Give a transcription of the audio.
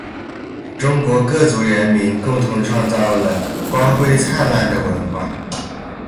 中国各族人民共同创造了光辉灿烂的文化